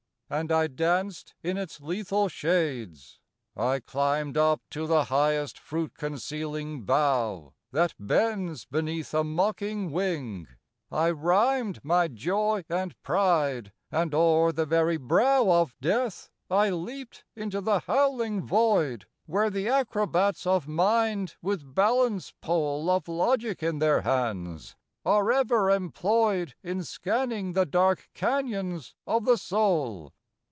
And I danced in its lethal shades; I climbed Up to the highest fruit concealing bough That bends beneath a mocking wing; I rhymed My joy and pride; and o'er the very brow Of Death I leaped into the howling void, Where the acrobats of Mind, with balance pole Of Logic in their hands, are ever employed In scanning the dark canyons of the Soul.